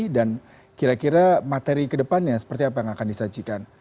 dan kira kira materi ke depannya seperti apa yang akan disajikan